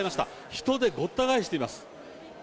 人でごった返しています。